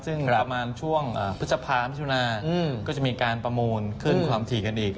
ซึ่งประมาณช่วงพฤษภามิถุนาก็จะมีการประมูลขึ้นความถี่กันอีก